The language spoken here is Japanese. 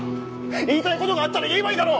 言いたいことがあったら言えばいいだろ！